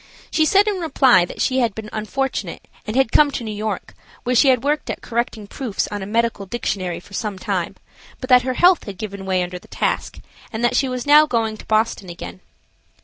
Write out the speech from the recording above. She said in reply that she had been unfortunate and had come to New York, where she had worked at correcting proofs on a medical dictionary for some time, but that her health had given way under the task, and that she was now going to Boston again.